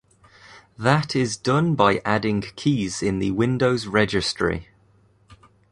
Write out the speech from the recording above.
That is done by adding keys in the Windows Registry.